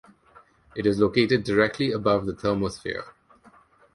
It is located directly above the thermosphere.